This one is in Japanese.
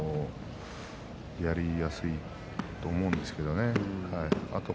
やりやすいと思うんですけれどね。